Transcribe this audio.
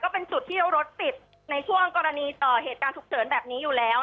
เป็นจุดที่รถติดในช่วงกรณีเหตุการณ์ฉุกเฉินแบบนี้อยู่แล้ว